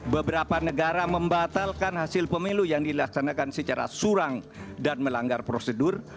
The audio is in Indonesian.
beberapa negara membatalkan hasil pemilu yang dilaksanakan secara surang dan melanggar prosedur